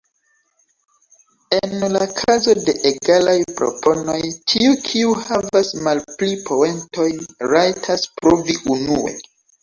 En la kazo de egalaj proponoj, tiu kiu havas malpli poentojn rajtas provi unue.